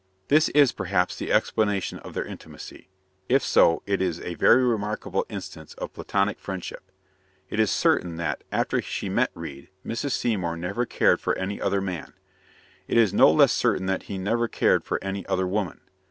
This is, perhaps, the explanation of their intimacy. If so, it is a very remarkable instance of Platonic friendship. It is certain that, after she met Reade, Mrs. Seymour never cared for any other man. It is no less certain that he never cared for any other woman.